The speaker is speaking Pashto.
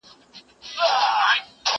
هغه آش، هغه کاسه.